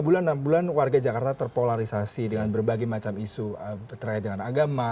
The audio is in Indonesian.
enam bulan enam bulan warga jakarta terpolarisasi dengan berbagai macam isu terkait dengan agama